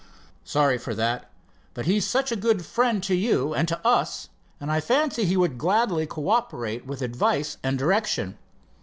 "Sorry for that, but he is such a good friend to you and to us, and I fancy he would gladly cooperate with advice and direction."